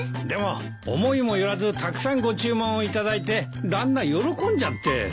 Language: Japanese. でも思いもよらずたくさんご注文を頂いて旦那喜んじゃって。